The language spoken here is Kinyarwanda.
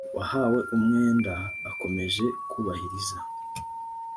uwahawe umwenda akomeje kubahiriza